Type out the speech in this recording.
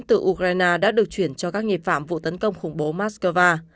từ ukraine đã được chuyển cho các nghi phạm vụ tấn công khủng bố moscow